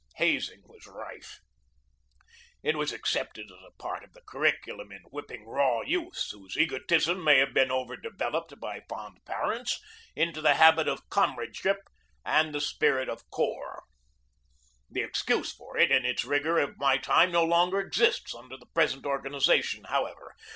Hazing was rife. It was accepted as a part of the curriculum in whip ping raw youths, whose egoism may have been over developed by fond parents, into the habit of com radeship and spirit of corps. The excuse for it in its rigor of my time no longer exists under the pres ent organization, however.